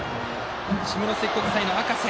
下関国際の赤瀬。